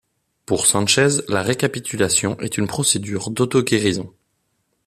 Pour Sanchez, la récapitulation est une procédure d'auto-guérison.